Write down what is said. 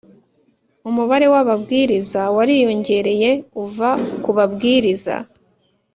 Umubare w ababwiriza wariyongereye uva ku babwiriza